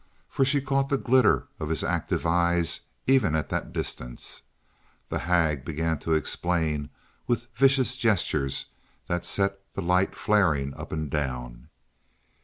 For she caught the glitter of his active eyes even at that distance. The hag began to explain with vicious gestures that set the light flaring up and down.